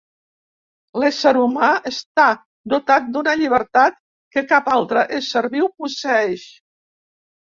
L'ésser humà està dotat d'una llibertat que cap altre ésser viu posseeix.